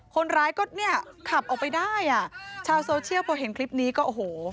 คนร้ายก็เนี่ยขับออกไปได้อ่ะชาวโซเชียลพอเห็นคลิปนี้ก็โอ้โห